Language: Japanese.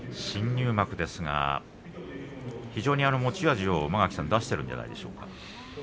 新入幕ですが非常に持ち味を出しているんじゃないですか？